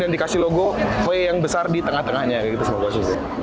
dan dikasih logo v yang besar di tengah tengahnya gitu semua gue kasih tih